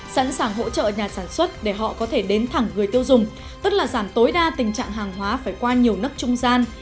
sẵn sàng hỗ trợ nhà sản xuất để họ có thể đến thẳng người tiêu dùng tức là giảm tối đa tình trạng hàng hóa phải qua nhiều nấc trung gian